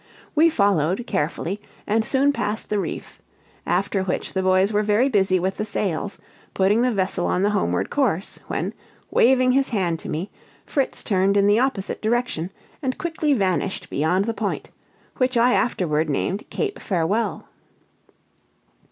We followed, carefully, and soon passed the reef; after which the boys were very busy with the sails, putting the vessel on the homeward course, when, waving his hand to me, Fritz turned in the opposite direction, and quickly vanished behind the point, which I afterward named Cape Farewell.